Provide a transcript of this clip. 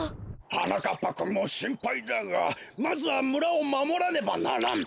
はなかっぱくんもしんぱいだがまずはむらをまもらねばならん。